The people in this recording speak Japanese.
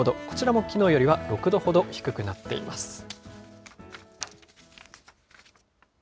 こちらもきのうよりは６度ほど低くなっています。